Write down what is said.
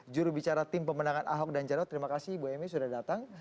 jurubicara tim pemenangan ahok dan jarod terima kasih bu emy sudah datang